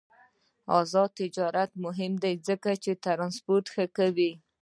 آزاد تجارت مهم دی ځکه چې ترانسپورت ښه کوي.